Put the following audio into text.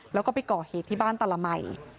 แล้วก็ไปก่อเหตุที่บ้านตาละไหม